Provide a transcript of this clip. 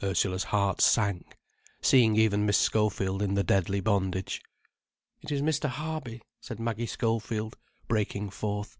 _ Ursula's heart sank, seeing even Miss Schofield in the deadly bondage. "It is Mr. Harby," said Maggie Schofield, breaking forth.